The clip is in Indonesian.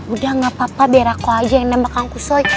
udah gak apa apa biar aku aja yang nembak kangkusoi